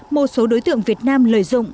một số đối tượng việt nam lợi dụng